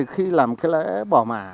khi làm lễ bỏ mạ